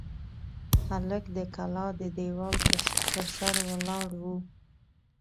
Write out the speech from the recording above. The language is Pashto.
هلک د کلا د دېوال پر سر ولاړ و.